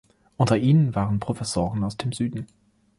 Unter ihnen waren Professoren aus dem Süden.